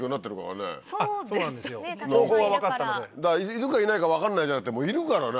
いるかいないか分かんないじゃなくているからね